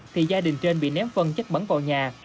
thì gia đình trên bị ném phân chất bẩn vào nhà